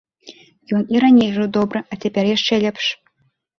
Ён і раней жыў добра, а цяпер яшчэ лепш.